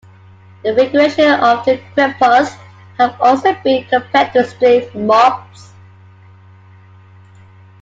The configuration of the "quipus" have also been "compared to string mops.